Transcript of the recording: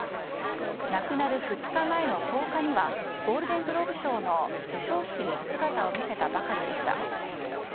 亡くなる２日前の１０日にはゴールデングローブ賞の授賞式に姿を見せたばかりでした。